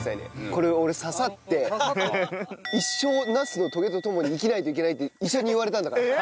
これ俺刺さって「一生ナスのトゲと共に生きないといけない」って医者に言われたんだから。